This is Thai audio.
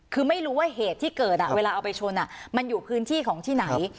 คือไม่รู้ว่าเหตุที่เกิดเวลาเอาไปชนมันอยู่พื้นที่ของที่ไหน